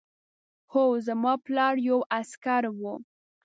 هو زما پلار یو عسکر و